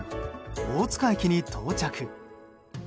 大塚駅に到着。